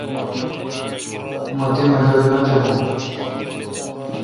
مہ تی مدد نہ تھبون۔